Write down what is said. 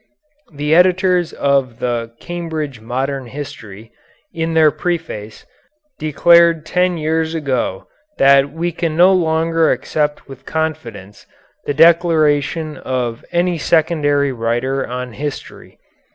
The editors of the "Cambridge Modern History," in their preface, declared ten years ago that we can no longer accept with confidence the declaration of any secondary writer on history.